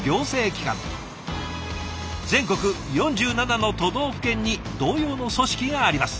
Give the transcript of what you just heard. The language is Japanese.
全国４７の都道府県に同様の組織があります。